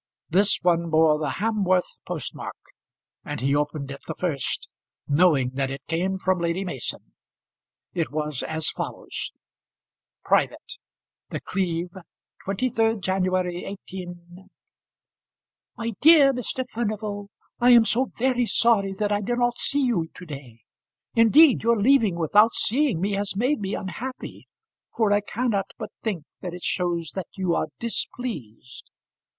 This one bore the Hamworth post mark, and he opened it the first, knowing that it came from Lady Mason. It was as follows: Private THE CLEEVE, 23rd January, 18 . MY DEAR MR. FURNIVAL, I am so very sorry that I did not see you to day! Indeed, your leaving without seeing me has made me unhappy, for I cannot but think that it shows that you are displeased.